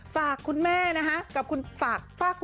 ฝากคุณแม่นะฮะ